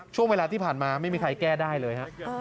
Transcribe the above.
ช่วงเวลาที่ผ่านมาไม่มีใครแก้ได้เลยฮะ